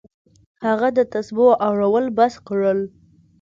هغه د تسبو اړول بس کړل.